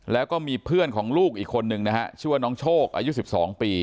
แล้วก็มีเพื่อนของลูกอีกคนนึงนะฮะชื่อว่าน้องโชคอายุ๑๒ปี